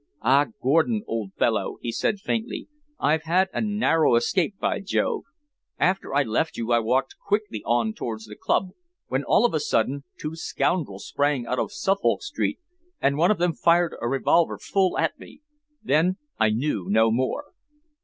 "Ah, Gordon, old fellow!" he said faintly, "I've had a narrow escape by Jove! After I left you I walked quickly on towards the club, when, all of a sudden, two scoundrels sprang out of Suffolk Street, and one of them fired a revolver full at me. Then I knew no more."